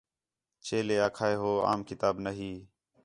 چیلے آکھا ہِے ہو عام کتاب نا ہی